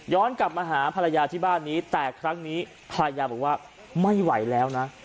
กลับมาหาภรรยาที่บ้านนี้แต่ครั้งนี้ภรรยาบอกว่าไม่ไหวแล้วนะ